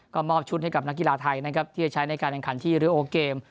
ก็มอบชุดให้กับนักกีฬาไทยนะครับที่จะใช้ในการแข่งขันที่ริโอเกม